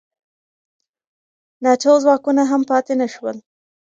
ناټو ځواکونه هم پاتې نه شول.